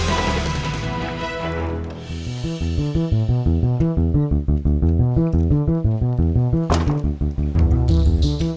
aku akan jalan